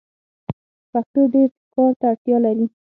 پښتو ډير کار ته اړتیا لري.